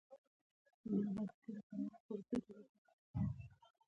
تر هغه وخته چې مينه زما له درملنې نه وي خلاصه شوې